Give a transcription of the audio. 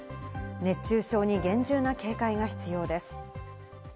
熱中症に厳重な警戒が必要です。